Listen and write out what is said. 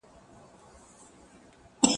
خو تر مينځ وجود اغیار دی